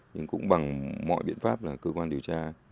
nhưng cũng bằng mọi biện pháp là cơ quan điều tra